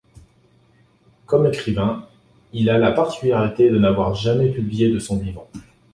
Comme écrivain, il a la particularité de n'avoir jamais publié de son vivant.